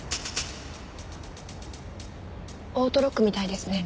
オートロックみたいですね。